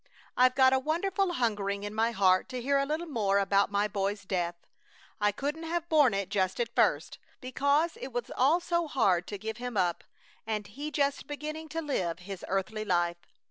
I've got a wonderful hungering in my heart to hear a little more about my boy's death. I couldn't have borne it just at first, because it was all so hard to give him up, and he just beginning to live his earthly life.